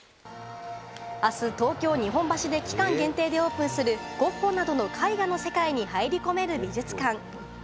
あす東京・日本橋で期間限定でオープンするゴッホなどの絵画の世界に入り込める美術館。